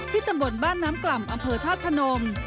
ตำบลบ้านน้ำกล่ำอำเภอธาตุพนม